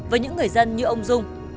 với những người dân như ông dung